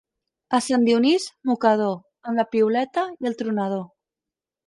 A Sant Dionís, mocador, amb la piuleta i el tronador.